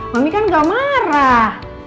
mami kan gak marah